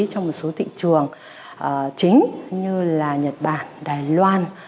trong một số thị trường chính như là nhật bản đài loan